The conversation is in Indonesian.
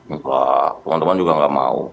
enggak teman teman juga nggak mau